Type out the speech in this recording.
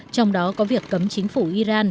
trong đó có việc cấm chính phủ iran